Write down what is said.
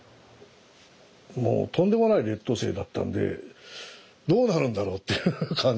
もうとんでもない劣等生だったんでどうなるんだろうって感じですよね。